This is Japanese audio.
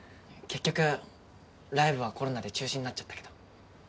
結局ライブはコロナで中止になっちゃったけど。